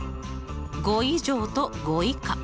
５以上と５以下。